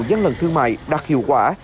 dân lần thương mại đạt hiệu quả